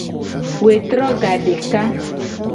Wetro gadeka.